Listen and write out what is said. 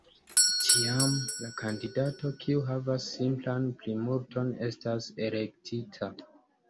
Tiam, la kandidato kiu havas simplan plimulton estas elektita.